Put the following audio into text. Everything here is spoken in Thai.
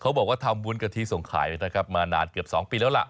เค้าบอกว่าทำวุ้นกะทิส่งขายนี่นะครับมานานเกือบสองปีแล้วแหละ